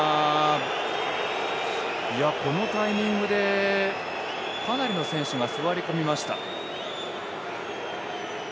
このタイミングでかなりの選手が座り込みました。